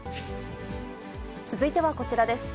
続いてはこちらです。